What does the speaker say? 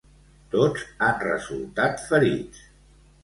Tots han resultat ferits.